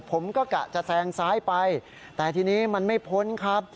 กะจะแซงซ้ายไปแต่ทีนี้มันไม่พ้นครับ